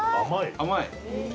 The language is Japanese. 甘い？